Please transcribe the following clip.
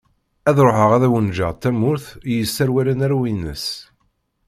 Ad ruḥeγ ad awen-ğğeγ tamurt i yesserwalen arraw_ines.